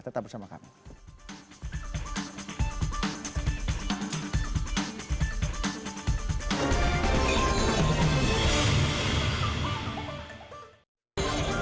tetap bersama kami